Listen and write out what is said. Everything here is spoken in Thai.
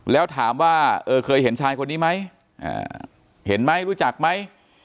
แล้วถามว่าเคยเห็นชายคนนี้ไหมเห็นไหมรู้จักไหม